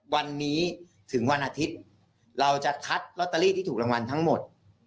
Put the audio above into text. วันนี้ถึงวันอาทิตย์เราจะคัดลอตเตอรี่ที่ถูกรางวัลทั้งหมด